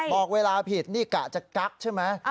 บอกเวลาผิดนี่กะจะกั๊กใช่ไหม